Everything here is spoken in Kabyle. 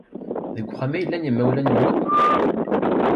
Deg uxxam ay llan yimawlan-nwen?